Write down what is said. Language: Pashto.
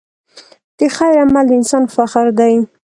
د خیر عمل د انسان فخر دی.